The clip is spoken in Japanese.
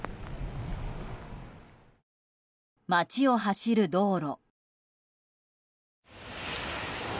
街を走る道路。